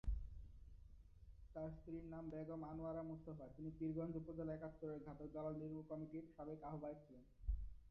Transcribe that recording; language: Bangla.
তার স্ত্রীর নাম বেগম আনোয়ারা মোস্তফা, তিনি পীরগঞ্জ উপজেলা একাত্তরের ঘাতক দালাল নির্মূল কমিটির সাবেক আহ্বায়ক ছিলেন।